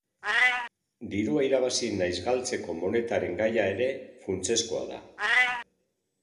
Dirua irabazi naiz galtzeko monetaren gaia ere funtsezkoa da.